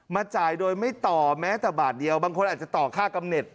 จ่ายโดยไม่ต่อแม้แต่บาทเดียวบางคนอาจจะต่อค่ากำเน็ต